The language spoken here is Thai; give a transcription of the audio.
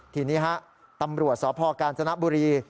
ทีนี้ฮะตำรวจสอบพอการสนับบุรี